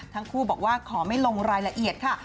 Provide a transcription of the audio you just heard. ทั้งคู่บอกว่าขอไม่ลงรายละเอียดค่ะ